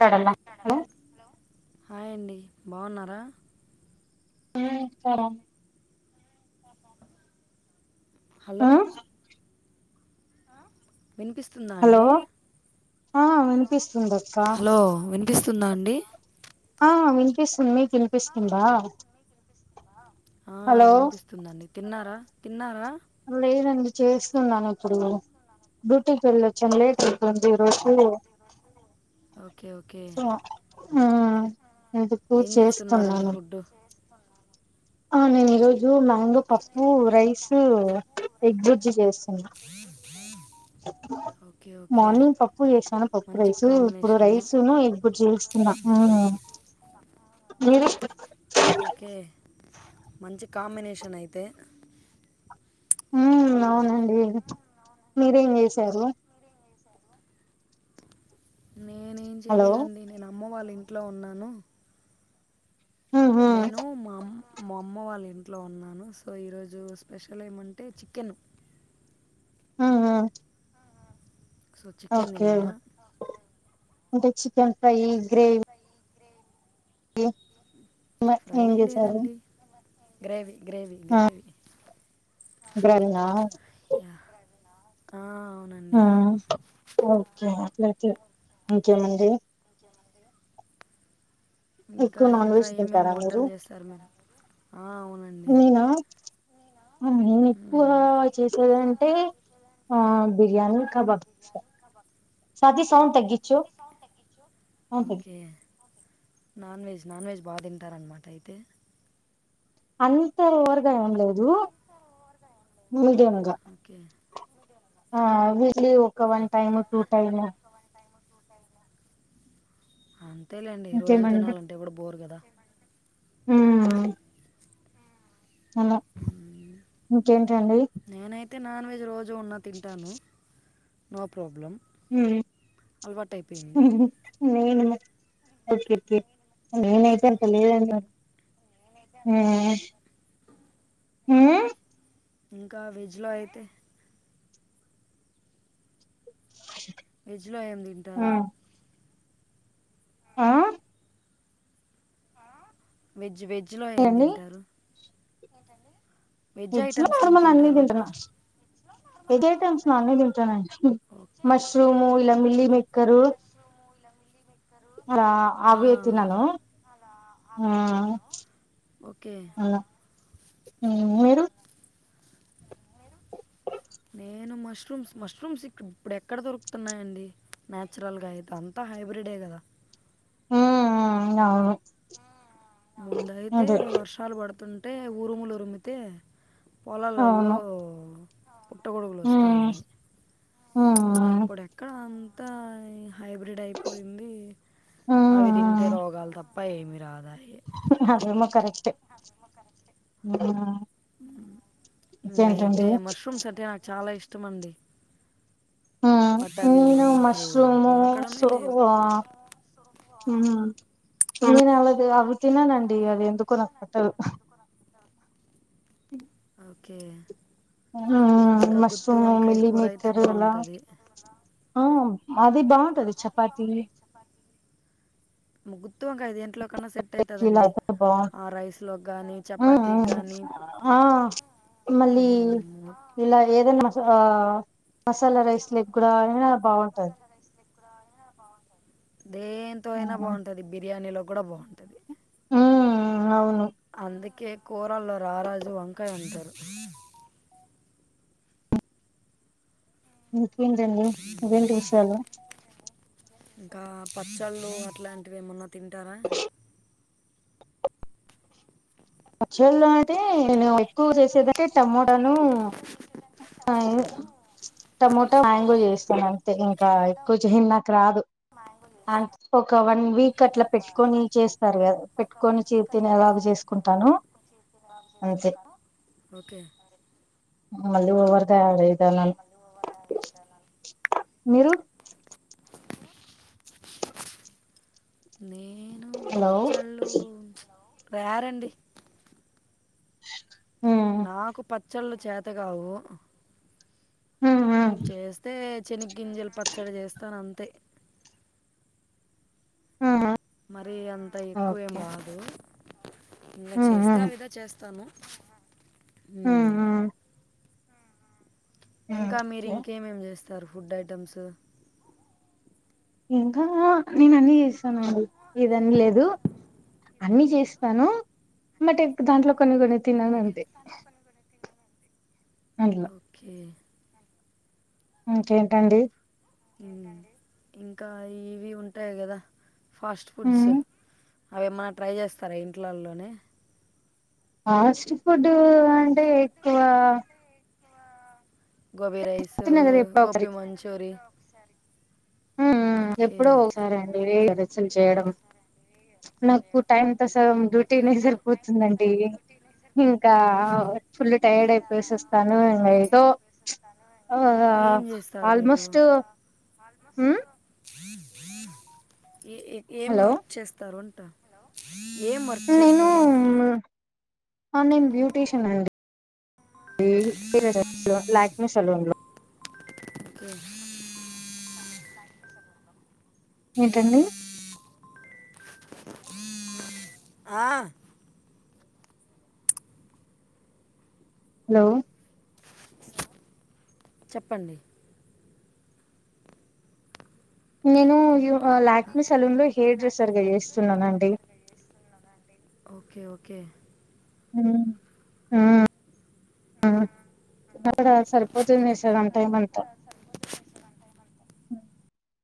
మాట్లాడాలా అడ హలో హయండి బాగున్నారా చేస్తారా ఆ హలో వినిపిస్తుందా హలో అండి ఆ వినిపిస్తుంది అక్క వస్తుందండి ఆ వినిపిస్తుంది మీకు వినిపిస్తుందా ఆ హలో వినిపిస్తుందండి తిన్నారా తిన్నారా లేదండి చేస్తున్నాను ఇప్పుడు డ్యూటీకి వెళ్ళొచ్చాను లేట్ అవుతుంది ఈ రోజు ఓకే ఓకే ఆ అందుకు ఏం చేస్తున్నారండి చేస్తున్నాను ఫుడ్ ఆ నేను ఇ రోజు జూ మ్యాంగో ఏ- పప్పుూ రైస్ ఎగ్బుజ్జి చేస్తా ఓకే ఓకే మార్నింగ్ పప్పు చేసాను పప్పు మంచి రైస్ ఇప్పుడు కాంబినేషను రైస్ను ఇప్పుడు చేీస్తున్నా న ఓకే మంచి కాంబినేషన్ అయితే ఉ అవునండి మీరేం చేసారు నేనేం హలో చేయలేదండి నేను అమ్మ వాళ్ళ ఇంట్లో ఉన్నాను ఉహు నేను మా అమ్ మా అమ్మ వాళ్ళ ఇంట్లో ఉన్నాను సో ఈరోజు స్పెషల్ ఏమంటే చికెన్ ఆా సో చికె తిన్న అంటే చికెన్ ఫై గ్రేవి [unintelligible] [unintelligible] ఏం చేశారు గ్రేవి గ్రేవిీ గ్రేవిీ గ్రేవీ నా ఆ అవునండి ఓకే ఇంకేమండి ఇంకా ఎక్కువ నాన్ ఇంకా వెజ్ ఏమేమి తింటారా మీరు వంటలు చేస్తారు మరి ఆ అవునండి నేనా నేను ఎక్కువ మ్మ్. చేసేద ఆ బిరియానీ కబాబ్స్ సౌండ్ తగ్గి కే నాన్ వెజ్ నాన్ వెజ్ బాగా తింటారన్నమాట అయితే అంత వర్ ఏం లేదు మీడియం గా ఓకే ఆ వీక్లీ ఒక వన్ టైమ్ టూ టైము అ తెేలేండి రోజు తినాలంటే ఇప్పుడు బోర్ కదా హ్మ్ హలో మ్మ్. ఇంకేంటండి తే నాన్ వెజ్ రో జు ఉన్న తింటాను నో ప్రాబ్లమ్ ఉమ్ అలవాటు అయిపోయింది నేన్ తినన్ ఓకే కె నేనైతే తెలిదన్నా ఆ హు ఇంకా వెజ్లో అయితే వెజ్లో ఏం ఆ తింటారు ఆ వెజ్ వె జ్ లో ఏం ఏండి తింటారు ఏంటండి వెజ్ లో మేమ్మ ల అన్ని తింట వెజ్ ఐటమ్స్ నా అన్ని తింటానండి మష్రూము ఇలా మిల్లి మెక్కరు ఆ అవి ఆ తినను ఆ ఓకే హ మ్మ్ మీరు నేను మష్రూమ్స్ మష్రూమ్స్ ఇక ఇప్పుడు ఎక్కడ దొరుకుతున్నాయండి. నచురల్ గా ఇది అంతా హైబ్రిడే కదా, హ్మ్ హ్ అవును ముందయితే అదే వర్షాలు పడుతుం ట్టే ఉరుములు ఉరుమితే అవును పొలాలల్లో పుట్టగొడుగులు వస్తా ఉమ్, ఉన్నాయి ఉమ్, ఇప్పుడు ఎక్కడ. అంతా. హైబ్రిడ్ అయిపోయింది అవి తింటే రోగాలు తప్ప. భై మీరాద అదే మో కరేష్ట్ అ ముఖనికి ఆ మ్ అయితే మష్రూమ్స్ అంటే నాకు చాలా ఇష్టం ఇష్టమండి ఆ నేను మష్రూము దొరకడమే సో లేదు అ ఉ నేను ఆ రోజు అయితే చేయ అవి తిననండి అవి ఎందుకో నాకు పట్టదు హ ఓకే ఆ ఇంకా గుత్తి మష్రూము వంకాయ కూర అయితే మిలీమేకర్ ఇలా బాగుంటుంది ఆ. అదిబా ంటది చపాతి ముగ్గు గుత్తి వంకాయ ఇది దేంట్లోకన్నా సెట్ ఇలా అవుతదండి అయితే బాగుంట ఆ రైస్ లో గాని ఉమ్ ఉమ్ చపాతీకి గానీ ఆ మళ్ళీ ఉ ఇలా ఏదైనా మస ఆ మసాలా రైస్ లకు కూడా అయినా బాగుంటది దేంతో అయినా బాగుంటది బిర్యానీలో కూడా బాగుంటది ఉమ్ అవును అందుకే కూరళ్ల్లో రారాజు వంకాయ అంటారు ఉ ఏంటడి ఇంకేమిటి విషయాలు ఇంకా పచ్చళ్ళు అట్లాంటివి ఏమన్నా తింటారా చేను లో అంటే వెళ్ళేవాడిని ఎక్కువ చేసేదంటే టమోటాను టమోటా మ్యాంగో చేస్తాను అంతే ఇంకా ఎక్కువ చేయన్ నాకు రాదు అ ఒక వన్ వీక్ అట్లా పెట్టుకొని చేస్తారు కదా పెట్టుకొని చే తినే లాగ చేసుకుంట తను ఓకే మళ్ళి ఓవర్ గ లేదన్నాను మీరు నే నేను హలో పచ్చళ్ళు. రేరండి ఉమ్ నాకు పత్ చ్చళ్ళు చేత కావు ఉమ్ ఉమ్ మ్మ్ చేస్తే చెనిగ్ గింజలు పచ్చడి చేస్తాను అంత్ తే ఆ మరి అంత ఎక్కువేం రాదు ఇలా ఉమ్ చేస్తే ఆ ఉమ్ విధ చేస్తాను ఉమ్ మ్మ్ ఉమ్ ఉమ్ ఇంకా మీరు ఓకే ఇంకేమేం చేస్తారు ఫుడ్ ఐటెమ్స్ ఇంకా నేను అన్నిీ చేస్తాను అండి ఇదన్ని లేదు అన్నిీ చేస్తాను బట్ దాంట్లో కొన్ని కొని ఓకే తిననుంతే ఓకే ఇంకేంటండి ఇంకా ఇవి ఉంటాయి కదా ఫాస్ట్ ఉమ్ ఫుడ్స్ అవి ఏమన్నా ట్రై చేస్తారా ఇంట్లల్లోనే ఆస్ట్ ఫుడ్ అంటే తువ్వావ గోబీ రైస్ తిన్న కదా ఎప్పుడో ఒకసారి గోబి మంచూరి సరే ఎప్పుడో ఒకసారి అండి రేర్ పచ్చళ్ళు చేయడం నాకు టైమ్ సం ఓకే ఓకే డ్యూటీనే సరిపోతుందండి ఇంకా ఫుల్ టైర్డ్ అయిపోసి వస్తాను ఇంకా ఏదో ఆ ఏదో ఆల్మోస్ట్ మ్మ్ ఆల్మోస్ట్ ఏ ఏం హలో వర్క్ చేస్తారున్ త్త ఏం వర్క్ చేస్తారు అంటున్నా ఆన్ లైన్ బ్యూటీషియన్ అండి లాక్ మీ సెలూన్ లో క ఏంటండి ఆ హలో చెప్పండి నేను ఇ లాక్ మీ సలూన్ లో హెయిర్ డ్రెస్సర్గా చేస్తున్నానుండి ఓకే ఓకే మ్మ్ ఇక్కడ సరిపోతుంది సగం టైమ్ అంతా